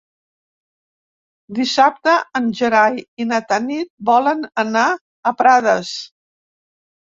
Dissabte en Gerai i na Tanit volen anar a Prades.